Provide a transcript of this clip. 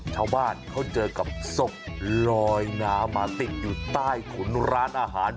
ชาวบ้านเขาเจอกับศพลอยน้ำมาติดอยู่ใต้ถุนร้านอาหาร